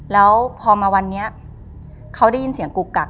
แล้วพอมาวันนี้เขาได้ยินเสียงกุกกัก